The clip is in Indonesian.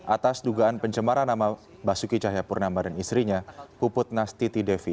atas dugaan pencemaran nama basuki cahayapurnama dan istrinya puput nastiti devi